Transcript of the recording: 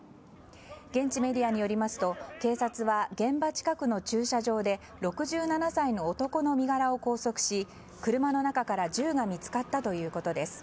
現地メディアによりますと警察は、現場近くの駐車場で６７歳の男の身柄を拘束し車の中から銃が見つかったということです。